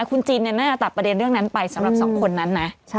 คุณจินน่าจะตัดประเด็นเรื่องนั้นไปสำหรับสองคนนั้นนะ